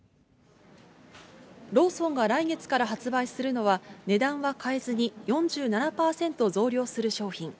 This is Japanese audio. ローソンが来月から発売するのは、値段は変えずに４７％増量する商品。